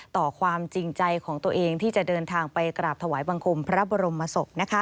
ต่อความจริงใจของตัวเองที่จะเดินทางไปกราบถวายบังคมพระบรมศพ